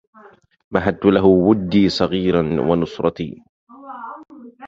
مهدت له ودي صغيرا ونصرتي